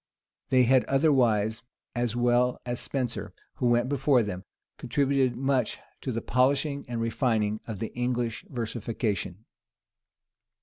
They had, otherwise, as well as Spenser, who went before them, contributed much to the polishing and refining of the English versification.